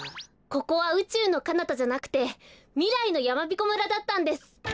ここはうちゅうのかなたじゃなくてみらいのやまびこ村だったんです。